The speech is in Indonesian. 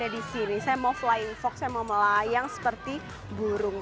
di sini saya mau flying fox saya mau melayang seperti burung